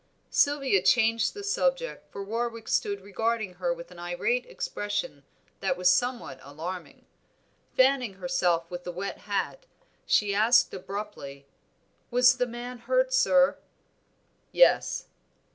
Sylvia changed the subject, for Warwick stood regarding her with an irate expression that was somewhat alarming. Fanning herself with the wet hat, she asked abruptly "Was the man hurt, sir?" "Yes."